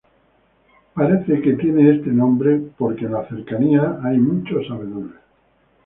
Parece, que este nombre dado porque en las cercanías hay muchos abedules.